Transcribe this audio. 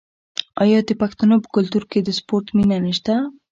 آیا د پښتنو په کلتور کې د سپورت مینه نشته؟